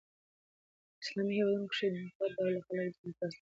په اسلامي هیوادونو کښي دوه ډوله خلک د ډیموکراسۍ څخه بېره لري.